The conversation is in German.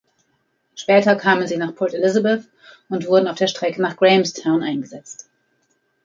Später kamen sie nach Port Elizabeth und wurden auf der Strecke nach Grahamstown eingesetzt.